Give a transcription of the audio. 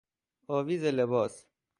آویز لباس